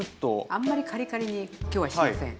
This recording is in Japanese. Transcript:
あんまりカリカリに今日はしません。